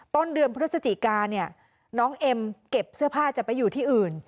ต้นเดือนพฤศจิกาเนี่ยน้องเอ็มเก็บเสื้อผ้าจะไปอยู่ที่อื่น